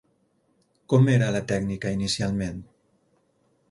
Com era la tècnica inicialment?